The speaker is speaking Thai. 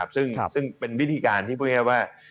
ซึ่งเป็นวิธีการที่พูดง่ายว่า